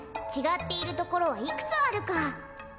ちがっているところはいくつあるか？